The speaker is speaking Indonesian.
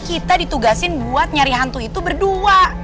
kita ditugasin buat nyari hantu itu berdua